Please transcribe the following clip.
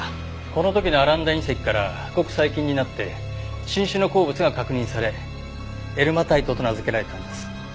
この時のアランダ隕石からごく最近になって新種の鉱物が確認されエルマタイトと名付けられたんです。